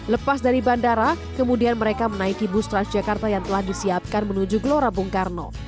lepas dari bandara kemudian mereka menaiki bus transjakarta yang telah disiapkan menuju gelora bung karno